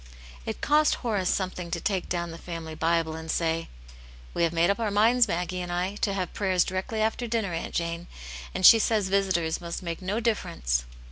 It cost Horace something to take down the family Bible and say, " We have made up our minds, Maggie and I, to have prayers directly after dinner, Aunt Jane, and she says visitors must make no difiference.'